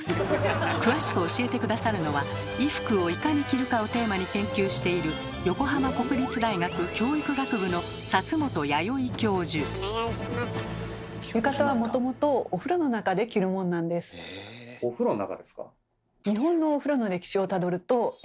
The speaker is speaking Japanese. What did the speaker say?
詳しく教えて下さるのは「衣服をいかに着るか」をテーマに研究しているお風呂の中ですか？